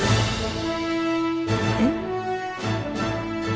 えっ？